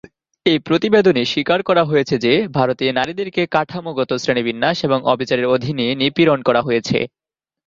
এই প্রতিবেদনে স্বীকার করা হয়েছে যে ভারতে নারীদেরকে কাঠামোগত শ্রেণীবিন্যাস এবং অবিচারের অধীনে নিপীড়ন করা হয়েছে।